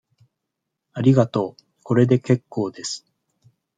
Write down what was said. ありがとう。これでけっこうです。